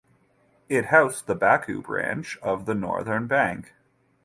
It housed the Baku branch of the Northern Bank.